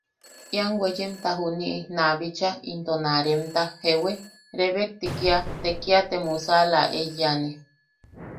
Ian weyemta juni na bicha into na remta ¿jewi? rebekti kia te kia te musaʼala eiyane.